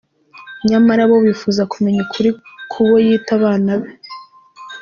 nyamara bo bifuza kumenya ukuri kubo yita abana be.